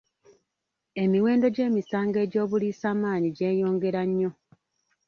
Emiwendo gy'emisango egy'obuliisamaanyi gyeyongera nnyo.